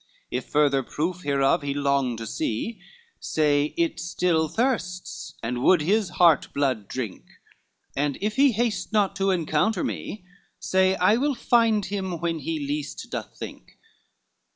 XLVIII "If further proof thereof he long to see, Say it still thirsts, and would his heart blood drink; And if he haste not to encounter me, Say I will find him when he least doth think."